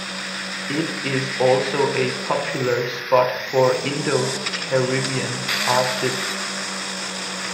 It is also a popular spot for Indo-Caribbean artists.